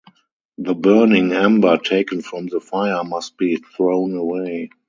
The burning ember taken from the fire must be thrown away.